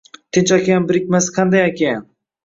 Tinch okean birikmasi qanday okean